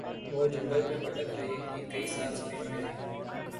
وہ جنگل میں بھٹک رہی تھی کئی سال سپین میں رہیں